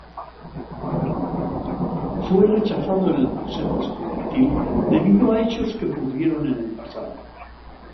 Fue rechazado en el Consejo Estudiantil debido a hechos que ocurrieron en el pasado.